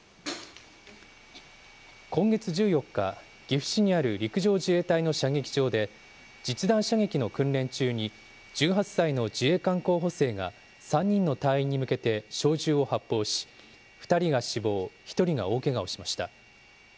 今月１４日、岐阜市にある陸上自衛隊の射撃場で、実弾射撃の訓練中に、１８歳の自衛官候補生が、３人の隊員に向けて小銃を発砲し、２人が死亡、１人が大けがをしました。